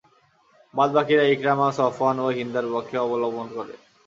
বাদ বাকীরা Ikrimah, Safwan ও হিন্দার পক্ষ অবলম্বন করে।